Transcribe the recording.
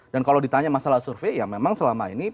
dan kalau ditanya masalah survei ya memang selama ini